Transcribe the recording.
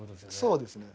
そうですね。